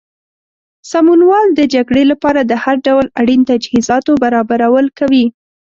سمونوال د جګړې لپاره د هر ډول اړین تجهیزاتو برابرول کوي.